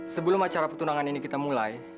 sebelum acara petunangan ini kita mulai